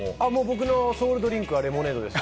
僕のソウルドリンクはレモネードです。